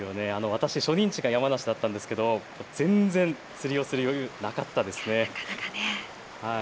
私、初任地が山梨だったんですけど全然、釣りをする余裕なかったですね。